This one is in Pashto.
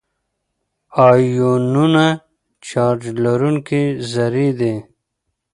آیونونه چارج لرونکي ذرې دي.